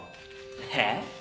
えっ？